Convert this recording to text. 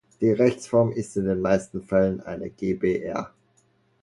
Die Rechtsform ist in den meisten Fällen eine GbR.